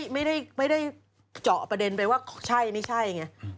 เพราะว่าไม่ได้เจาะประเด็นไปว่าใช่ไม่ใช่อย่างนี้